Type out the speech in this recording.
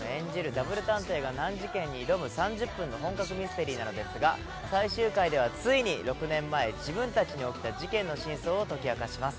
ダブル探偵が難事件に挑む３０分の本格ミステリーなのですが最終回ではついに６年前自分たちに起きた事件の真相を解き明かします。